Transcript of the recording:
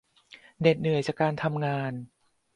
เหน็ดเหนื่อยมาจากการทำงาน